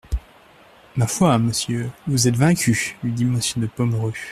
Ma foi, monsieur, vous êtes vaincu, lui dit Monsieur de Pomereux.